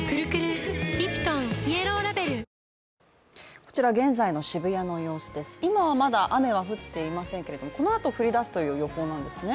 こちら現在の渋谷の様子です、今はまだ雨は降っていませんけれども、このあと降り出すという予報なんですね。